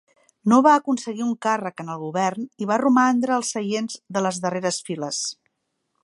No va aconseguir un càrrec en el Govern i va romandre als seients de les darreres files.